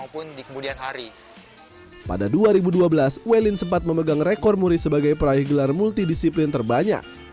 pada dua ribu dua belas welin sempat memegang rekor muri sebagai peraih gelar multidisiplin terbanyak